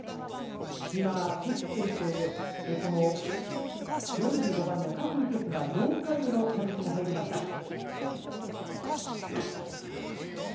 競っていて、４５番の郭雨潔が４回目の射撃に入りました。